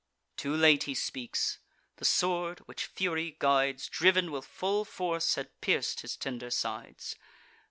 Too late he speaks: the sword, which fury guides, Driv'n with full force, had pierc'd his tender sides.